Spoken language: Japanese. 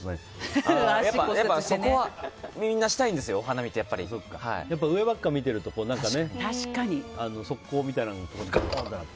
そこは、みんなしたいんですよ上ばっか見てると側溝みたいなところでガンってなって。